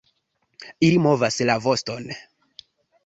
Ili movas la voston.